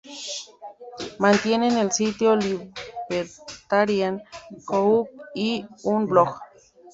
Mantiene el sitio Libertarian.Co.Uk y un blog.